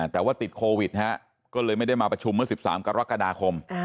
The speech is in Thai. แต่ว่าติดโควิดก็เลยไม่ได้มาประชุมเมื่อ๑๓กรกฎาคม